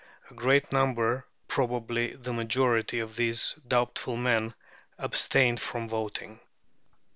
A great number, probably the majority, of these doubtful men abstained from voting.